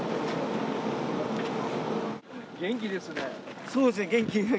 元気ですね。